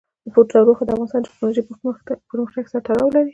تودوخه د افغانستان د تکنالوژۍ پرمختګ سره تړاو لري.